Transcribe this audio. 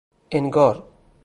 انگار